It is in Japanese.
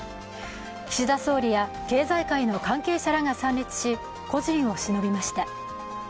岸田総理や経済界の関係者らが参列し故人を偲びました。